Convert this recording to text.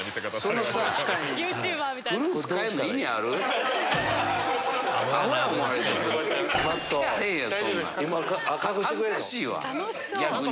そんな恥ずかしいわ逆に。